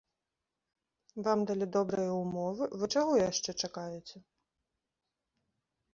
Вам далі добрыя ўмовы, вы чаго яшчэ чакаеце?